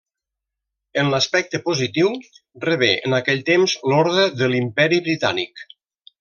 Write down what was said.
En l'aspecte positiu, rebé, en aquell temps l'Orde de l'Imperi Britànic.